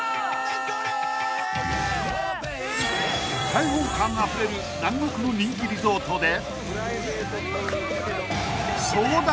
［開放感あふれる南国の人気リゾートで］